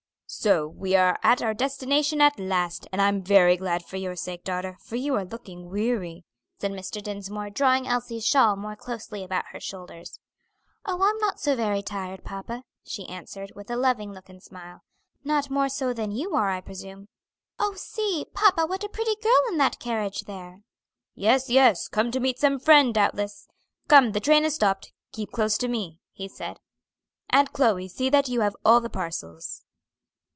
"So we are at our destination at last, and I am very glad for your sake, daughter, for you are looking weary," said Mr. Dinsmore, drawing Elsie's shawl more closely about her shoulders. "Oh, I'm not so very tired, papa," she answered, with a loving look and smile, "not more so than you are, I presume. Oh, see! papa, what a pretty girl in that carriage there!" "Yes, yes! Come to meet some friend, doubtless. Come, the train has stopped; keep close to me," he said. "Aunt Chloe, see that you have all the parcels."